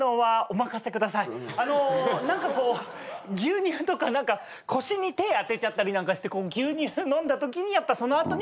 あの何かこう牛乳とか腰に手当てちゃったりなんかして牛乳飲んだときにその後に。